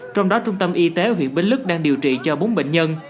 trong đó trung tâm y tế huyện bến lức đang điều trị cho bốn bệnh nhân